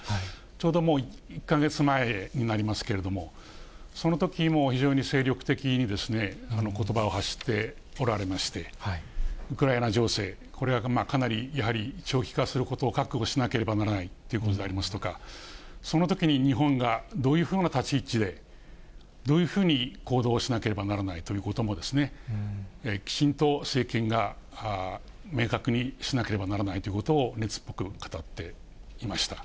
ちょうど１か月前になりますけれども、そのときも非常に精力的にことばを発しておられまして、ウクライナ情勢、これはかなり、やはり長期化することを覚悟しなければならないということでありますとか、そのときに日本がどういうふうな立ち位置で、どういうふうに行動しなければならないということも、きちんと政権が明確にしなければならないということを熱っぽく語っていました。